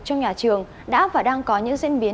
trong nhà trường đã và đang có những diễn biến